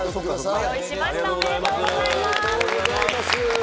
おめでとうございます。